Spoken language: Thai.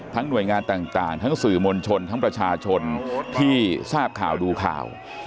หน่วยงานต่างทั้งสื่อมวลชนทั้งประชาชนที่ทราบข่าวดูข่าว